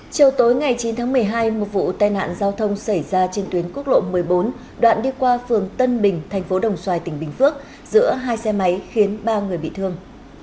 chiều tối ngày chín tháng một mươi hai một vụ tai nạn giao thông xảy ra trên tuyến quốc lộ một mươi bốn đoạn đi qua phường tân bình thành phố đồng xoài tỉnh bình phước giữa hai xe máy khiến ba người bị thương